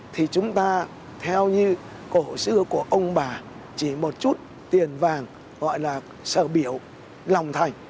thì chúng ta theo như cổ xưa của ông bà chỉ một chút tiền vàng gọi là sờ biểu lòng thành